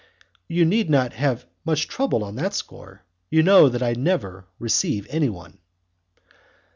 "You need not have much trouble on that score: you know that I never, receive anyone."